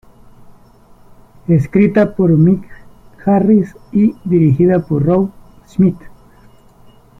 Escrita por Mick Garris y dirigida por Rob Schmidt.